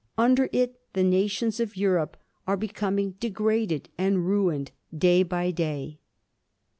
Under it the nations of Europe are becoming degraded and ruined day by day.